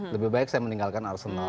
lebih baik saya meninggalkan arsenal